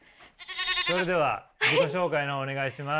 それでは自己紹介の方お願いします。